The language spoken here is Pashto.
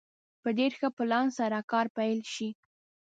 په ډېر ښه پلان سره کار پيل شي.